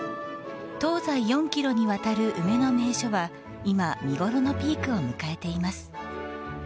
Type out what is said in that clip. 東西４ｋｍにわたる梅の名所は今、見頃のピークを迎えています。